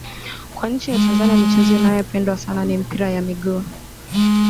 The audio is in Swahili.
Kwa nchi ya Tanzania michezo inayopendwa sana ni mpira wa miguu